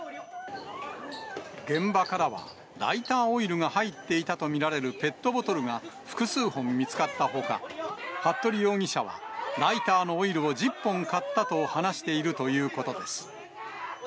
現場からは、ライターオイルが入っていたと見られるペットボトルが複数本見つかったほか、服部容疑者は、ライターのオイルを１０本買ったと話しているということです。